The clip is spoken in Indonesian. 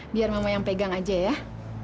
biar mama yang pegang aja ya